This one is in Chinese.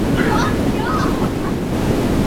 建武是日本的年号之一。